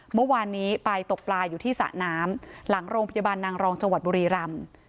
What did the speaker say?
เมื่อวานนี้ไปตกปลาอยู่ที่สระน้ำหลังโรงพยาบาลนางรองจังหวัดบุรีรำ